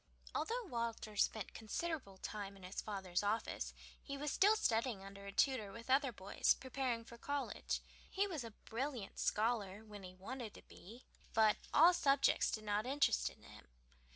Although Walter spent considerable time in his father's office, he was still studying under a tutor with other boys, preparing for college. He was a brilliant scholar when he wanted to be, but all subjects did not interest him.